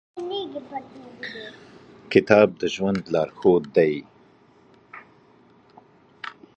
کتاب د ژوند لارښود دی.